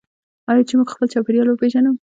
آیا چې موږ خپل چاپیریال وپیژنو؟